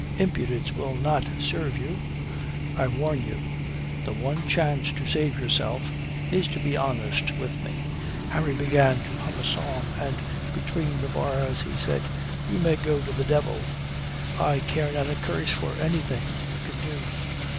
"Impudence will not serve you. I warn you, the one chance to save yourself is to be honest with me." Harry began to hum a song, and, between the bars, he said, "You may go to the devil. I care not a curse for anything you can do.